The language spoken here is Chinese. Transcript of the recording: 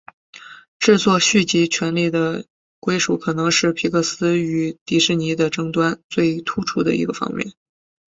制作续集权利的归属可能是皮克斯与迪士尼的争端最突出的一个方面。